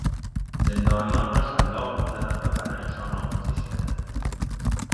زندانیان را شلاق میزدند و بدنشان را میکشیدند.